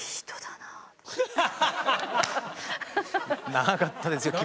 長かったですね。